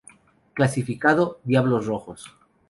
Clasificado: Diablos Rojos.